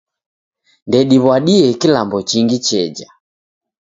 Ndediw'adie kilambo chingi cheja.